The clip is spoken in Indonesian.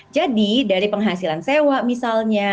jadi dari penghasilan sewa misalnya